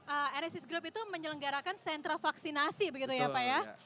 enesis group itu menyelenggarakan sentra vaksinasi begitu ya pak ya